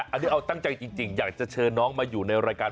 อันนี้เอาตั้งใจจริงอยากจะเชิญน้องมาอยู่ในรายการ